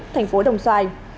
thành phố đồng xoài